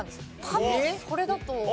多分これだと思う。